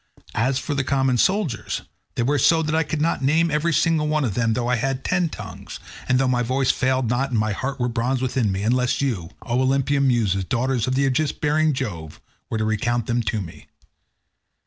As for the common soldiers, they were so that I could not name every single one of them though I had ten tongues, and though my voice failed not and my heart were of bronze within me, unless you, O Olympian Muses, daughters of aegis bearing Jove, were to recount them to me.